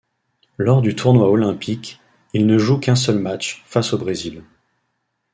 Lors du tournoi olympique, il ne joue qu'un seul match, face au Brésil.